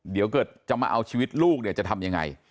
เดี๋ยวเกิดจะมาเอาชีวิตลูกเนี่ยจะทำยังไง